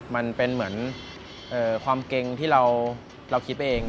มันเป็นเหมือนความเกรงที่เราคิดไปเอง